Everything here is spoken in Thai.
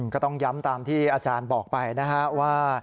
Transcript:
ก็ต้องย้ำตามที่อาจารย์บอกไปนะฮะว่า